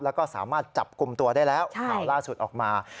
แล้วก็สามารถจับกลุ่มตัวได้แล้วข่าวล่าสุดออกมา